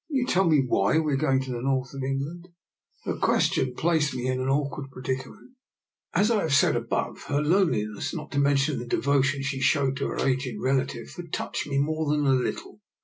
Will you tell me why we are going to the North of England? " Her question placed me in an awkward predicament. As I have said above, her loneliness, not to mention the devotion she showed to her aged relative, had touched me more than a little.